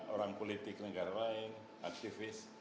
orang politik negara lain aktivis